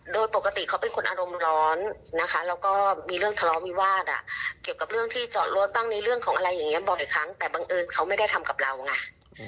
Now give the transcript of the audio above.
โดยปกติเขาเป็นคนอารมณ์ร้อนนะคะแล้วก็มีเรื่องทะเลาะวิวาสอ่ะเกี่ยวกับเรื่องที่จอดรถบ้างในเรื่องของอะไรอย่างนี้บ่อยครั้งแต่บังเอิญเขาไม่ได้ทำกับเราไง